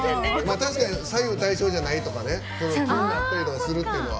確かに左右対称じゃないとか気になったりとかするっていうのは。